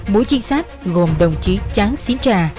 mũi trinh sát gồm đồng chí tráng sinh tra